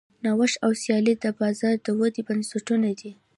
نوښت او سیالي د بازار د ودې بنسټونه دي.